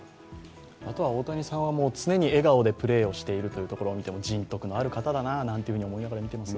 大谷さんは常に笑顔でプレーをしているところを見ても人徳のある方だなと思いながら見ています。